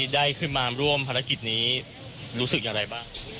ได้ขึ้นมาร่วมภารกิจนี้รู้สึกอย่างไรบ้าง